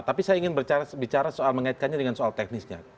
tapi saya ingin bicara soal mengaitkannya dengan soal teknisnya